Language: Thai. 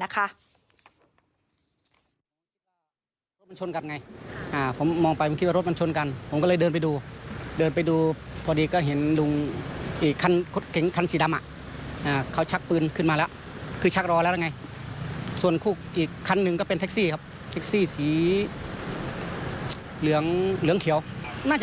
น่าจะมีเรื่องมาจากข้างนอกหรือเปล่า